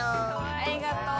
ありがとう。